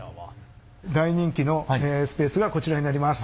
大人気のスペースがこちらになります。